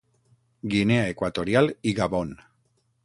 Guinea Equatorial i Gabon.